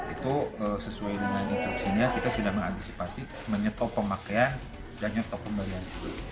itu sesuai dengan instruksinya kita sudah mengantisipasi menyetop pemakaian dan nyetok pembayaran